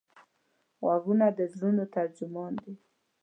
غوږونه د زړونو ترجمان دي